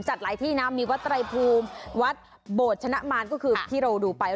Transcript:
จัดหลายที่นะมีวัดไตรภูมิวัดโบชนะมารก็คือที่เราดูไป